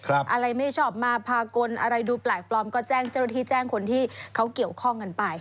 อะไรไม่ชอบมาพากลอะไรดูแปลกปลอมก็แจ้งเจ้าหน้าที่แจ้งคนที่เขาเกี่ยวข้องกันไป